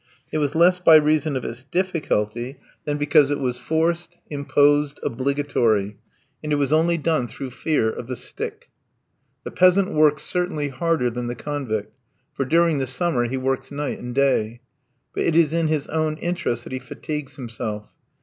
It was less by reason of its difficulty, than because it was forced, imposed, obligatory; and it was only done through fear of the stick. The peasant works certainly harder than the convict, for, during the summer, he works night and day. But it is in his own interest that he fatigues himself.